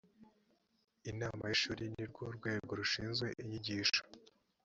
inama y ishuri ni rwo rwego rushinzwe inyigisho